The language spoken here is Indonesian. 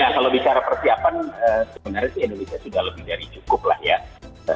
persiapan sebenarnya sih indonesia sudah lebih dari cukup lah ya